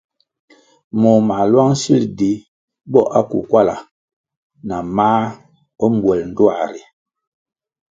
Moh mā lwang sil di bo akukwala na mā mbwel ndtuā ri.